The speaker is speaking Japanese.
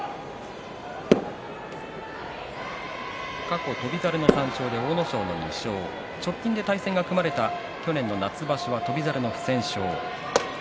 過去、翔猿の３勝で阿武咲の２勝直近で対戦が組まれた去年の夏場所は翔猿の不戦勝。